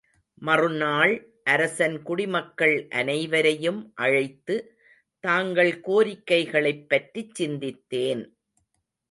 மறுநாள் அரசன் குடிமக்கள் அனைவரையும் அழைத்து, தாங்கள் கோரிக்கைகளைப் பற்றிச் சிந்தித்தேன்.